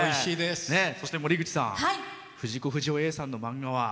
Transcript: そして、森口さん藤子不二雄Ａさんの漫画は？